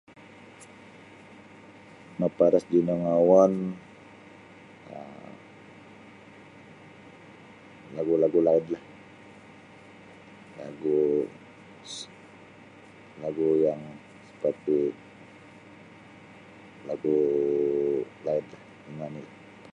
Maparas kinongouon um lagu'-lagu' laidlah lagu' lagu' yang seperti lagu' laidlah ino oni'lah.